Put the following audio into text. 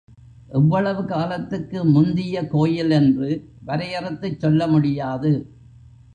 எவ்வளவு காலத்துக்கு முந்திய கோயில் என்று வரையறுத்துச் சொல்ல முடியாது.